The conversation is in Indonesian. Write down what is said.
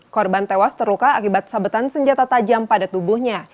korban tewas terluka akibat sabetan senjata tajam pada tubuhnya